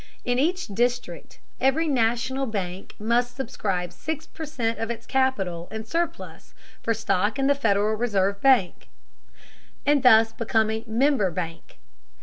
In each district every National bank must subscribe six per cent of its capital and surplus for stock in the Federal Reserve bank, and thus become a "member" bank.